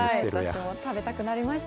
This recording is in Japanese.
食べたくなりました。